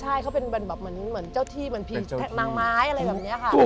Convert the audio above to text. ใช่เขาเป็นแบบเหมือนเจ้าที่เหมือนผีนางไม้อะไรแบบนี้ค่ะ